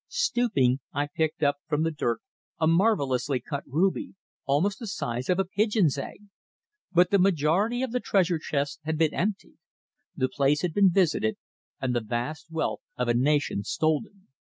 Stooping, I picked up from the dirt a marvellously cut ruby, almost the size of a pigeon's egg. But the majority of the treasure chests had been emptied. The place had been visited, and the vast wealth of a nation stolen.